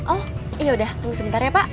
oh iya udah tunggu sebentar ya pak